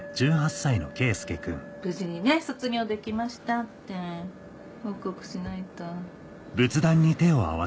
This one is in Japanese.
無事にね「卒業できました」って報告しないと。